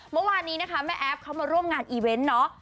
เมื่อวานนี้นะคะแม่แอฟเขามาร่วมงานอีเวนต์เนาะ